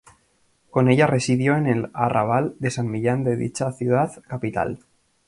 Con ella residió en el arrabal de San Millán de dicha ciudad capital.